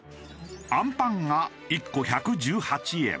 あんぱんが１個１１８円。